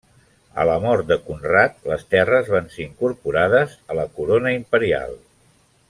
A la mort de Conrad, les terres van ser incorporades a la corona imperial.